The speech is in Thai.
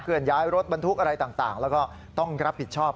ย้ายรถบรรทุกอะไรต่างแล้วก็ต้องรับผิดชอบ